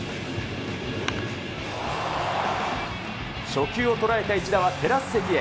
初球を捉えた一打はテラス席へ。